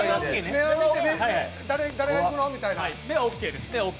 目を見てね誰がいくの？みたいな。